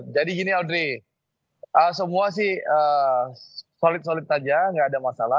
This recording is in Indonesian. jadi gini audrey semua sih solid solid aja gak ada masalah